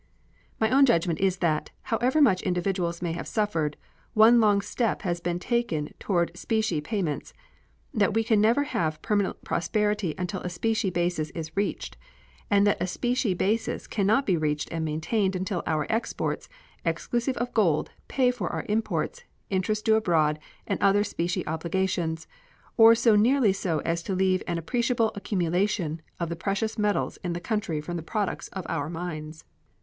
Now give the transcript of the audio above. My own judgment is that, however much individuals may have suffered, one long step has been taken toward specie payments; that we can never have permanent prosperity until a specie basis is reached; and that a specie basis can not be reached and maintained until our exports, exclusive of gold, pay for our imports, interest due abroad, and other specie obligations, or so nearly so as to leave an appreciable accumulation of the precious metals in the country from the products of our mines.